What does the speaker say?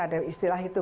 ada istilah itu